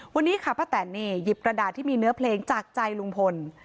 วันนี้ค่ะป้าแตนนี่หยิบกระดาษที่มีเนื้อเพลงจากใจลุงพล